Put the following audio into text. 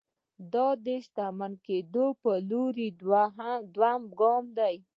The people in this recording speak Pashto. دا د شتمن کېدو پر لور دويم ګام دی.